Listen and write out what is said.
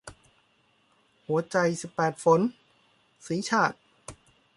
หัวใจสิบแปดฝน - สีชาติ